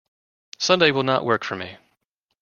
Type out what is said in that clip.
Sunday will not work for me.